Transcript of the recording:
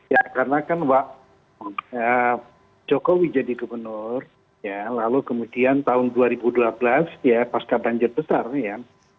ya karena kan wak jokowi jadi gubernur lalu kemudian tahun dua ribu dua belas ya pas kebanjir besar ya